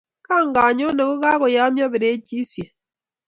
kanganyoni kokakoyomyo perechishek